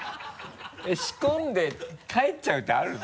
仕込んで帰っちゃうってあるの？